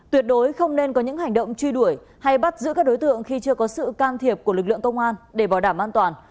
tuyệt đối không nên có những hành động truy đuổi hay bắt giữ các đối tượng khi chưa có sự can thiệp của lực lượng công an để bảo đảm an toàn